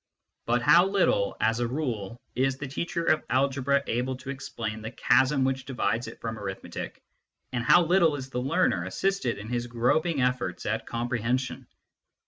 But how little, as a rule, is the teacher of algebra able to explain the chasm which divides it from arithmetic, and how little is the learner assisted in his groping efforts at comprehension